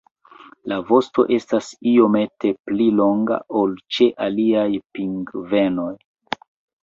La vosto estas iomete pli longa ol ĉe aliaj pingvenoj.